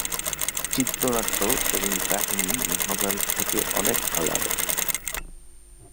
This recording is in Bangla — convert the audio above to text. চিত্রনাট্য এবং কাহিনী মহাভারত থেকে অনেক আলাদা।